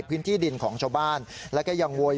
พระขู่คนที่เข้าไปคุยกับพระรูปนี้